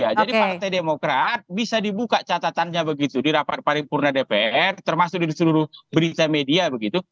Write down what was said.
jadi partai demokrat bisa dibuka catatannya begitu di rapat paripurna dpr termasuk di seluruh berita media begitu